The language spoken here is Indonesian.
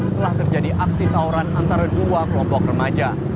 telah terjadi aksi tawuran antara dua kelompok remaja